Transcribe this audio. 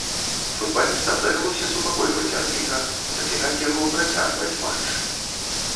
Футбалістам давялося супакойваць арбітра, заклікаць яго працягваць матч.